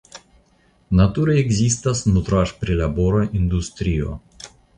Nature ekzistas nutraĵprilabora industrio.